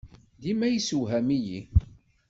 Dima yessewham-iyi.